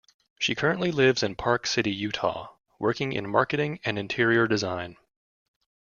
She currently lives in Park City, Utah, working in marketing and interior design.